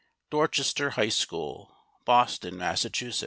DORCHESTER HIGH SCHOOL, BOSTON, MASS.